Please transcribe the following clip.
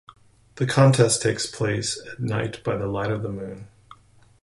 The contest takes place at night by the light of the moon.